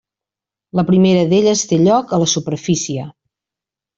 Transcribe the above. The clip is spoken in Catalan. La primera d'elles té lloc a la superfície.